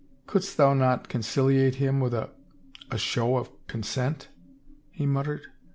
" Couldst thou not conciliate him with a — a show of consent ?" he muttered.